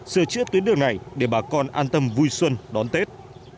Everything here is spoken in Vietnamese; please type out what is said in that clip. sửa chữa tuyến đường này để bà con an tâm vui xuân đón tết